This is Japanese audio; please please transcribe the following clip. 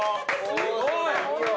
すごい！